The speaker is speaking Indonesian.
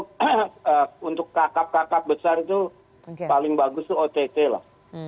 karena untuk kakap kakap besar itu paling bagus ott lah